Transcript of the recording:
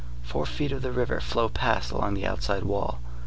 Four feet of river flow past along the outside wall.